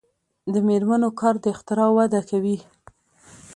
د میرمنو کار د اختراع وده کوي.